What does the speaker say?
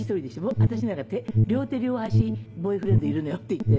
「私なんか両手両足ボーイフレンドいるのよ」って言って。